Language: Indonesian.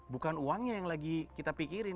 bukan uangnya yang lagi kita pikirin